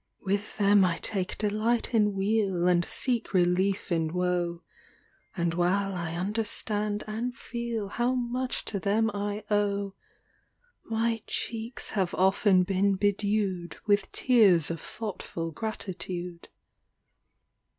1 1 10 GEORGIAN VERSE With them I take delight in weal, And seek relief in woe; And while I understand and feel How much to them I owe, My cheeks have often been bedew'd With tears of thoughtful gratitude.